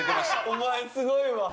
お前すごいわ。